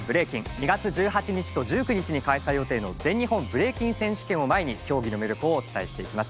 ２月１８日と１９日に開催予定の全日本ブレイキン選手権を前に競技の魅力をお伝えしていきます。